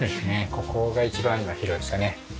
ここが一番今広いですかね。